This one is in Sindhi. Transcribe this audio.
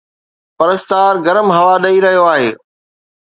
پرستار گرم هوا ڏئي رهيو آهي